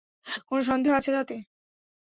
কোনো সন্দেহ আছে তাতে?